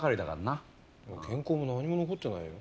原稿もなんにも残ってないよ。